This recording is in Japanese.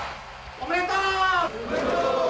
おめでとう！